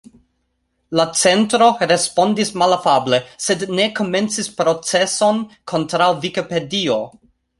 La centro respondis malafable sed ne komencis proceson kontraŭ Vikipedio